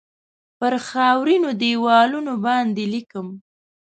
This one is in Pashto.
پر خاورینو دیوالونو باندې لیکم